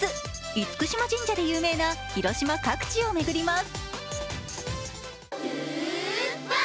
厳島神社で有名な広島各地を巡ります。